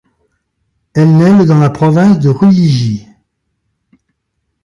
Elle nait le dans la province de Ruyigi.